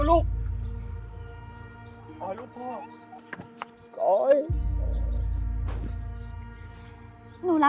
ออกไปเลย